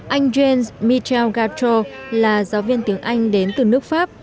anh james mitchell gattro là giáo viên tiếng anh đến từ nước pháp